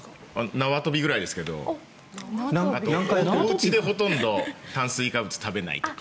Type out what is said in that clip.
縄跳びぐらいですけどおうちでほとんど炭水化物を食べないとか。